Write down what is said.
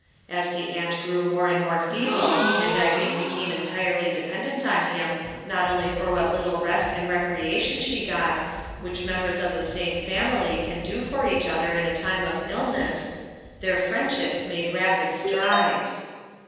As the aunt grew more and more feeble and Irene became entirely dependent on him not only for what little rest and recreation fhe got, but for all those offices which members of the same family can do for each other in a time of illness, their friendship made rapid strides.